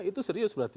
itu serius berarti